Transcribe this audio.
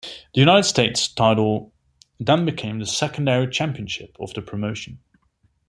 The United States title then became the secondary championship of the promotion.